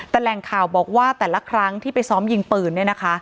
แต่แหล่งข่าวบอกว่าแต่ละครั้งที่ไปซ้อมยิงปืน